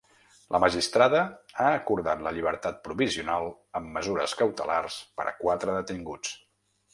La magistrada ha acordat la llibertat provisional amb mesures cautelars per a quatre detinguts.